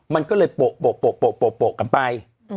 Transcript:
มันก็เลยโปะกันไป